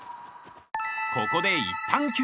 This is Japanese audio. ここでいったん休憩！